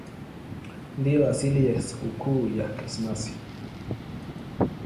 Ndiyo asili ya sikukuu ya Krismasi.